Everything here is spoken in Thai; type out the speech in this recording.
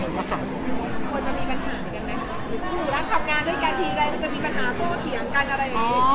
แล้วทำงานด้วยการทีใดมันจะมีปัญหาโตเถียงกันอะไรอ๋อ